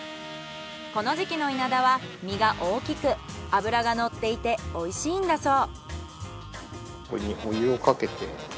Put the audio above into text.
この時期のイナダは身が大きく脂がのっていて美味しいんだそう。